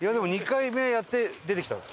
２回目やって出てきたの。